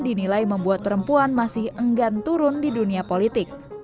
dinilai membuat perempuan masih enggan turun di dunia politik